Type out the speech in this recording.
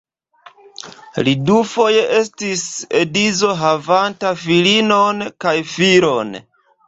Li dufoje estis edzo havanta filinon kaj filon.